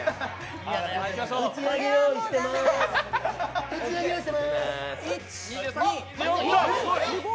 打ち上げ用意してます。